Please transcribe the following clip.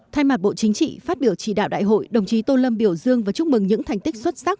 thay mặt bộ chính trị phát biểu chỉ đạo đại hội đồng chí tô lâm biểu dương và chúc mừng những thành tích xuất sắc